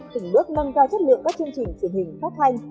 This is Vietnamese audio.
từng bước nâng cao chất lượng các chương trình truyền hình phát thanh